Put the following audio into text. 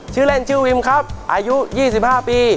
ชื่อเล่นชื่อวิมครับอายุ๒๕ปี